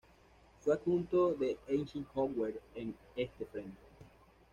Fue adjunto de Eisenhower en este frente.